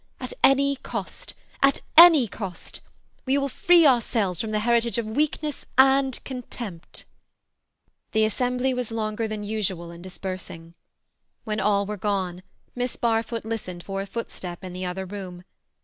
At any cost—at any cost—we will free ourselves from the heritage of weakness and contempt!" The assembly was longer than usual in dispersing. When all were gone, Miss Barfoot listened for a footstep in the other room.